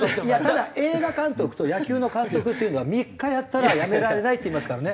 ただ映画監督と野球の監督っていうのは３日やったら辞められないっていいますからね。